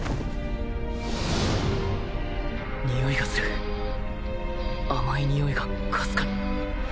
においがする甘いにおいがかすかに